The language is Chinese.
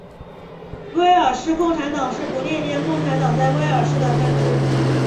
威尔士共产党是不列颠共产党在威尔士的分支。